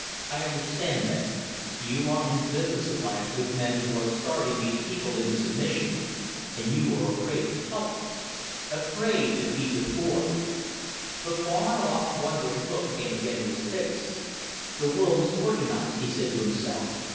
"I understand then you are in business alliance with men who are starving these people into submission, and you are afraid to help them? Afraid to feed the poor!" The far off, wondering look came again to his face. "The world is organized!" he said, to himself.